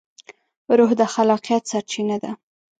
روح د خلاقیت سرچینه ده.